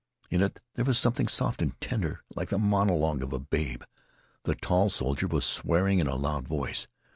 In it there was something soft and tender like the monologue of a babe. The tall soldier was swearing in a loud voice.